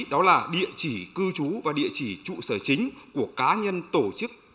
đó là địa chỉ cư trú và địa chỉ trụ sở chính của cá nhân tổ chức